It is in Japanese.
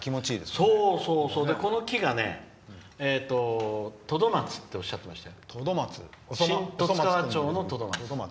この木がねとど松っておっしゃってまして。